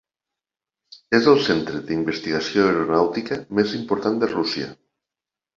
És el centre d'investigació aeronàutica més important de Rússia.